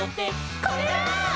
「これだー！」